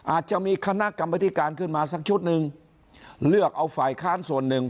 อาจจะมีคณะกรรมธิการขึ้นมาสักชุดหนึ่งเลือกเอาฝ่ายค้านส่วนหนึ่ง